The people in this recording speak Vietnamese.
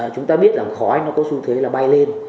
chúng ta biết rằng khói nó có xu thế là bay lên